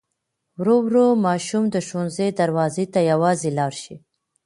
ورو ورو ماشوم د ښوونځي دروازې ته یوازې لاړ شي.